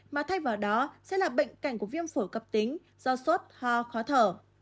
mà thay vào đó sẽ là bệnh cảnh của viêm phổi cắp tính do sốt hoa khó thở